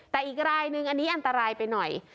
แต่อีกรายนึงอันนี้อันตรายไปหน่อย